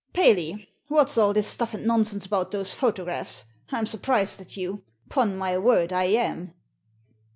" Paley, what's all this stuff and nonsense about those photographs ? I'm surprised at you ; *pon my word, I am."